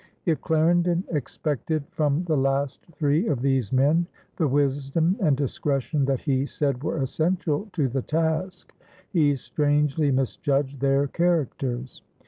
If Clarendon expected from the last three of these men the wisdom and discretion that he said were essential to the task, he strangely misjudged their characters.